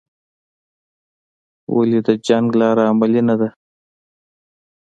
ولې د جنګ لاره عملي نه ده؟